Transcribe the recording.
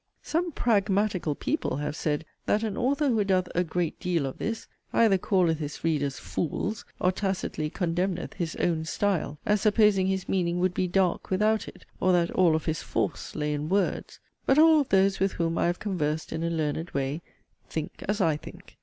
Some 'pragmatical' people have said, that an author who doth a 'great deal of this,' either calleth his readers 'fools,' or tacitly condemneth 'his own style,' as supposing his meaning would be 'dark' without it, or that all of his 'force' lay in 'words.' But all of those with whom I have conversed in a learned way, 'think as I think.'